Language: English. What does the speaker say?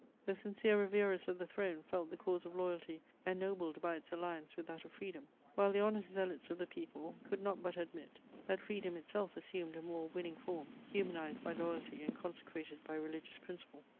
The sincere reverers of the throne felt the cause of loyalty ennobled by its alliance with that of freedom; while the honest zealots of the people could not but admit, that freedom itself assumed a more winning form, humanized by loyalty and consecrated by religious principle.